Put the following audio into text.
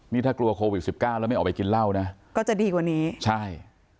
นี่ถ้ากลัวโควิดสิบเก้าแล้วไม่ออกไปกินเหล้านะก็จะดีกว่านี้ใช่